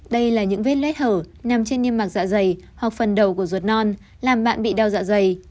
đây là những vết lết hở nằm trên niêm mạc dạ dày hoặc phần đầu của ruột non làm bạn bị đau dạ dày